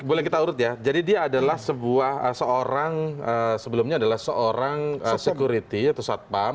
boleh kita urut ya jadi dia adalah sebuah seorang sebelumnya adalah seorang security atau satpam